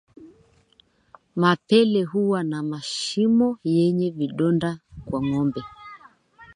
Mapele huwa na mashimo yenye vidonda kwa ngombe